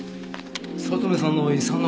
早乙女さんの遺産の件で。